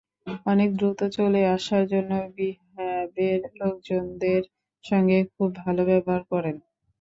অনেকে দ্রুত চলে আসার জন্য রিহ্যাবের লোকজনদের সঙ্গে খুব ভালো ব্যবহার করেন।